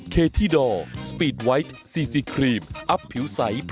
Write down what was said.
ขอบคุณค่ะ